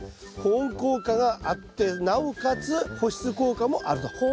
保温効果があってなおかつ保湿効果もあると。